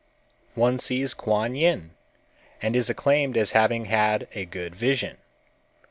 One sees Kuan Yin and is acclaimed as having had a good vision.